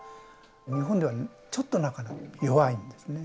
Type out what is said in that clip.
日本ではちょっとなかなか弱いんですね。